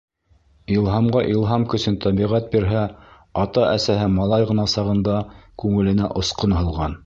Илһамға илһам көсөн тәбиғәт бирһә, ата-әсәһе малай ғына сағында күңеленә осҡон һалған.